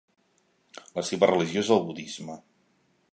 La seva religió és el budisme.